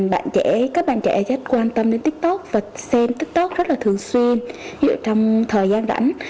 bạn trẻ các bạn trẻ rất quan tâm đến tiktok và xem tiktok rất là thường xuyên trong thời gian rảnh